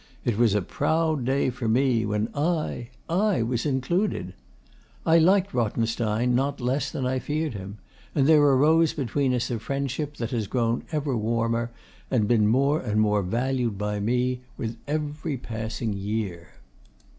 It was a proud day for me when I I was included. I liked Rothenstein not less than I feared him; and there arose between us a friendship that has grown ever warmer, and been more and more valued by me, with every passing year.